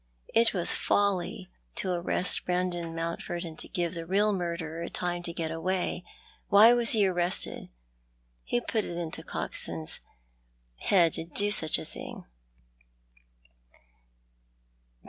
It was folly to arrest Brandon IMountford and give the real murderer time to got away. "Why was ho arrested? "Who put it into Coxou's held to do such a thing